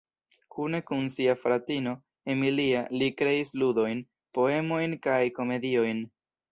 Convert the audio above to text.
Kune kun sia fratino, Emilia, li kreis ludojn, poemojn kaj komediojn.